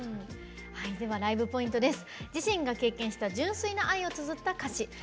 ライブポイントです。